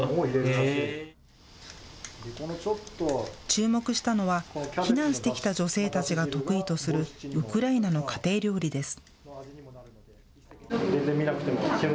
注目したのは、避難してきた女性たちが得意とするウクライナの家庭料理です。